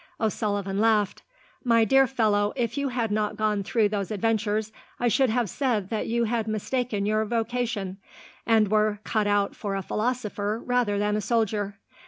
O'Sullivan laughed. "My dear fellow, if you had not gone through those adventures, I should have said that you had mistaken your vocation, and were cut out for a philosopher rather than a soldier.